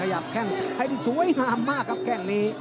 ขยับแข็งซ้ายสวยหามากครับแค่นี้